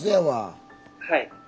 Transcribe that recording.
はい。